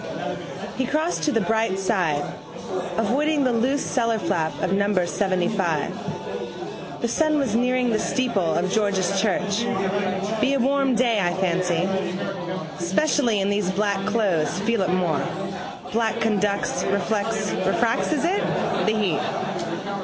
He crossed to the bright side, avoiding the loose cellarflap of number seventyfive. The sun was nearing the steeple of George's church. Be a warm day I fancy. Specially in these black clothes feel it more. Black conducts, reflects, (refracts is it?), the heat.